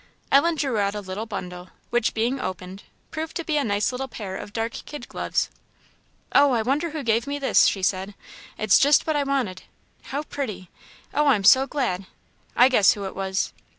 Ellen drew out a little bundle, which, being opened, proved to be a nice little pair of dark kid gloves. "Oh, I wonder who gave me this!" she said "it's just what I wanted. How pretty! oh, I'm so glad! I guess who it was."